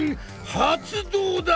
発動だ！